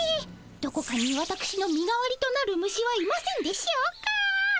どこかにわたくしの身代わりとなる虫はいませんでしょうか？